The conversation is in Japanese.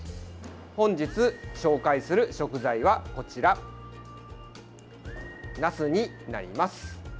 本日紹介する食材はこちらなすになります。